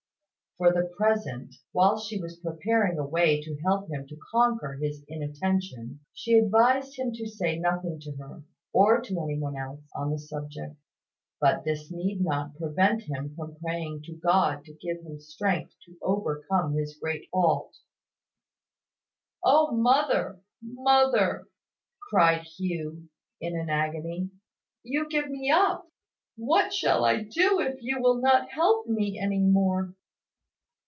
For the present, while she was preparing a way to help him to conquer his inattention, she advised him to say nothing to her, or to any one else, on the subject; but this need not prevent him from praying to God to give him strength to overcome his great fault. "Oh, mother! Mother!" cried Hugh, in an agony, "you give me up! What shall I do if you will not help me any more?"